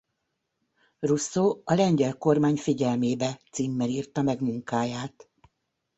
Rousseau A lengyel kormány figyelmébe címmel írta meg munkáját.